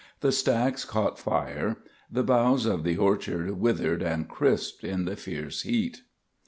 The stacks caught fire. The boughs of the orchard withered and crisped in the fierce heat.